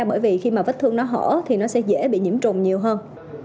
bởi vì khi mà vết thương nó hở thì nó sẽ dễ bị nhiễm trùng nhiều hơn